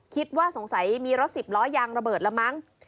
คิดว่าสงสัยมีรถสิบล้อยางระเบิดแล้วมั้ง